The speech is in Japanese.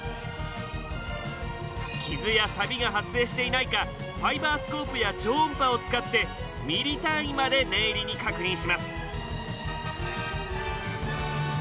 傷やサビが発生していないかファイバースコープや超音波を使ってミリ単位まで念入りに確認します。